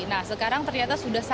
nah sekarang ternyata sudah selesai